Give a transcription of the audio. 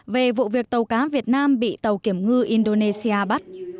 về vụ việc tàu cá việt nam bị tàu kiểm ngư indonesia bắt